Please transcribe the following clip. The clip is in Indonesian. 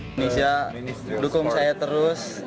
indonesia dukung saya terus